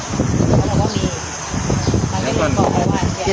เพราะว่ามี